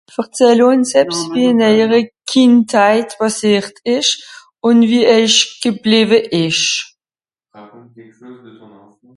verzähle uns ebs wie ìn eijere kindheit pàssiert esch ùn wie eich geblìwe esch